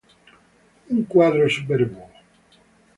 Un quadro superbo.